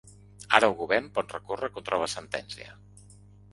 Ara el govern pot recórrer contra la sentència.